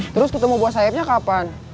terus ketemu buah sayapnya kapan